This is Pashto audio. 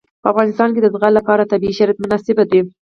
په افغانستان کې د زغال لپاره طبیعي شرایط مناسب دي.